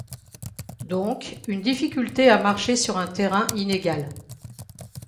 Donc une difficulté à marcher sur un terrain inégal.